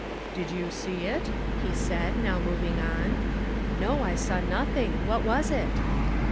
" Did you see it? " he said, now moving on. " No, I saw nothing — what was it?"